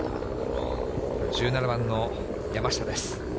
１７番の山下です。